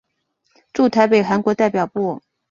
驻台北韩国代表部。